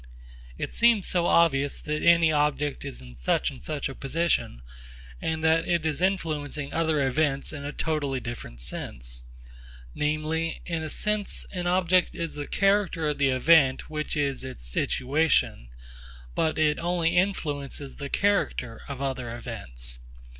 It seems so obvious that any object is in such and such a position, and that it is influencing other events in a totally different sense. Namely, in a sense an object is the character of the event which is its situation, but it only influences the character of other events.